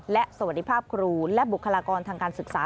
และสวัสดีภาพครูและบุคลากรทางการศึกษา